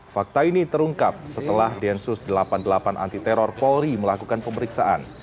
fakta ini terungkap setelah densus delapan puluh delapan anti teror polri melakukan pemeriksaan